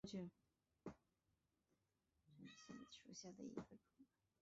网脉陵齿蕨为陵齿蕨科陵齿蕨属下的一个种。